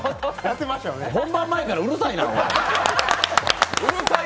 本番前からうるさいな。